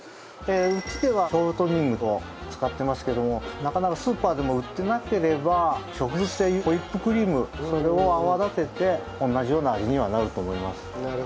うちではショートニングを使ってますけどもなかなかスーパーでも売ってなければ植物性ホイップクリームそれを泡立てて同じような味にはなると思います。